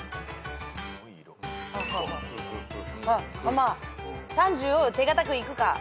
まあ３０手堅くいくか。